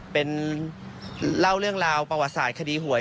เป็นเล่าเรื่องราวประวัติศาสตร์คดีหวย